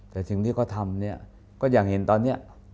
แต่สิ่งที่เขาทำเนี่ยก็อย่างเห็นตอนนี้